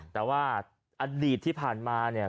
แต่ว่าอดีตที่ผ่านมาเนี่ย